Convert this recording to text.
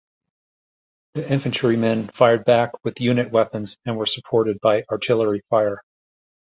The infantrymen fired back with unit weapons and were supported by artillery fire.